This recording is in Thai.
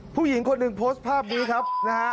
ผู้หญิงคนหนึ่งโพสต์ภาพนี้ครับนะฮะ